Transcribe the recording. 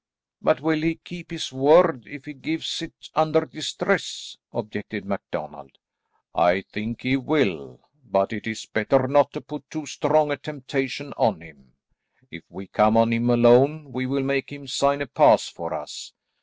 "But will he keep his word if he gives it under distress?" objected MacDonald. "I think he will, but it is better not to put too strong a temptation on him. If we come on him alone we will make him sign a pass for us.